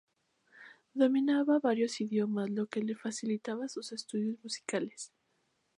Dominaba varios idiomas lo que le facilitaba sus estudios musicales.